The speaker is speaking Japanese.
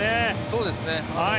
そうですね。